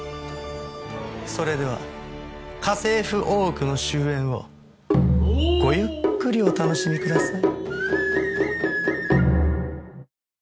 それでは家政婦大奥の終焉をごゆっくりお楽しみください。